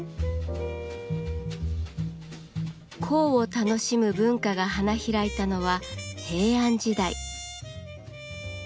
香を楽しむ文化が花開いたのは平安時代。